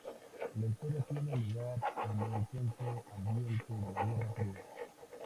La historia tiene lugar en el tenso ambiente de la Guerra Fría.